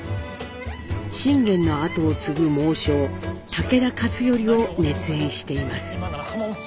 信玄の跡を継ぐ猛将武田勝頼を熱演しています。